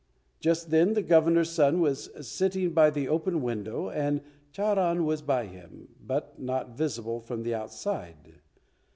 Just then the Governor's son was sitting by the open window and Charan was by him, but not visible from the outside.